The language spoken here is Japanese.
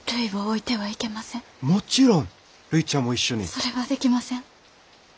それはできません。